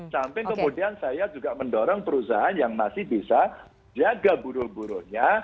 sampai kemudian saya juga mendorong perusahaan yang masih bisa jaga buru burunya